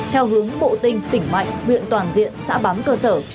theo hướng bộ tinh tỉnh mạnh huyện toàn diện xã bám cơ sở